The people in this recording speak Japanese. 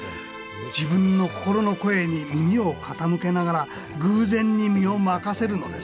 自分の心の声に耳を傾けながら偶然に身を任せるのです。